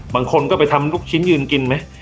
บางคนก็ไปทำลูกชิ้นยืนกินไหม